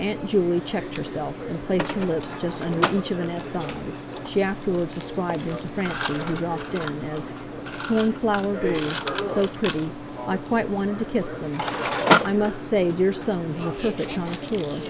Aunt Juley checked herself, and placed her lips just under each of Annette's eyes—she afterwards described them to Francie, who dropped in, as: "Cornflower blue, so pretty, I quite wanted to kiss them. I must say dear Soames is a perfect connoisseur.